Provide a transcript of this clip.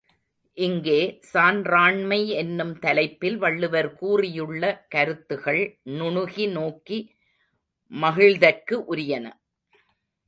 இங்கே, சான்றாண்மை என்னும் தலைப்பில் வள்ளுவர் கூறியுள்ள கருத்துகள் நுணுகி நோக்கி மகிழ்தற்கு உரியன.